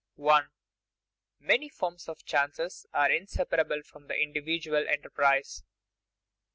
_Many forms of chance are inseparable from the individual enterprise.